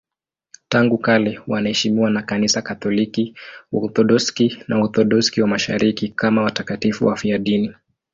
Tangu kale wanaheshimiwa na Kanisa Katoliki, Waorthodoksi na Waorthodoksi wa Mashariki kama watakatifu wafiadini.